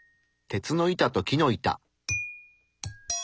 鉄の板と木の板。